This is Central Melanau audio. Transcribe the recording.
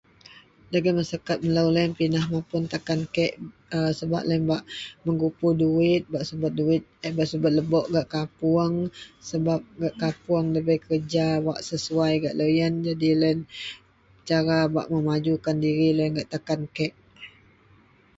dagen Masyarakat melou loyien pindah mapun takan kek a sebab loyien bak mengumpul duwit bak subet duwit eh bak subet lebok gak kapoung sebab gak kapoung debei kerja wak sesuai gak loyien jadi loyien cara bak memajukan diri loyien gak takan kek